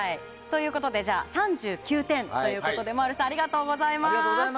じゃあ、３９点ということでまぁるさんありがとうございます。